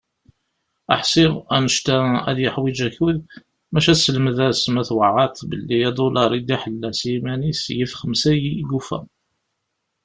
Ḥsiɣ, annect-a ad yiḥwiǧ akud, maca selmed-as, ma tweɛɛaḍ, belli adulaṛ i d-iḥella s yiman-is yif xemsa i yufa.